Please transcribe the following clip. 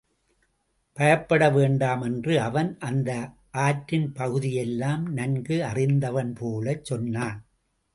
பயப்பட வேண்டாம் என்று அவன் அந்த ஆற்றின் பகுதியெல்லாம் நன்கு அறிந்தவன்போலச் சொன்னான்.